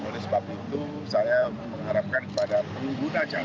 oleh sebab itu saya mengharapkan kepada pengguna jalan